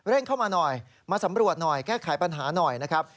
เข้ามาหน่อยมาสำรวจหน่อยแก้ไขปัญหาหน่อยนะครับ